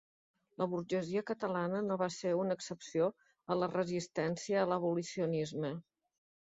La burgesia catalana no va ser una excepció a la resistència a l'abolicionisme.